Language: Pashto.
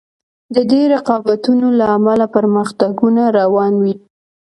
د دې رقابتونو له امله پرمختګونه روان وي.